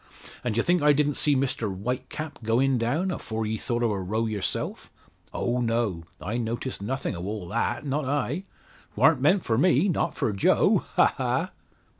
And d'ye think I didn't see Mr Whitecap going down, afore ye thought o' a row yerself. Oh, no; I noticed nothin' o' all that, not I? 'Twarn't meant for me not for Joe ha, ha!"